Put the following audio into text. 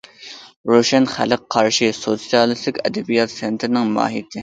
روشەن« خەلق قارىشى» سوتسىيالىستىك ئەدەبىيات- سەنئەتنىڭ ماھىيىتى.